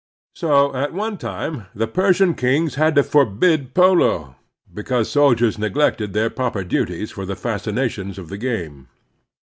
So at one time the Persian kings had to forbid polo, because soldiers neglected their proper duties for the fascinations of the game.